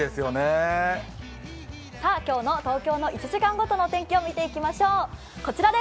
今日の東京の１時間ごとの天気を見ていきましょう。